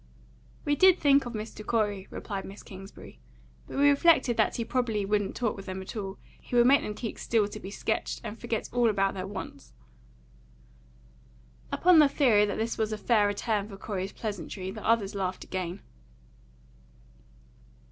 "We did think of Mr. Corey," replied Miss Kingsbury; "but we reflected that he probably wouldn't talk with them at all; he would make them keep still to be sketched, and forget all about their wants." Upon the theory that this was a fair return for Corey's pleasantry, the others laughed again.